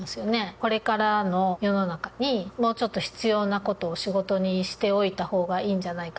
これからの世の中にもうちょっと必要な事を仕事にしておいた方がいいんじゃないかな。